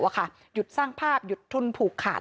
หยุดสร้างภาพหยุดทุนผูกขาด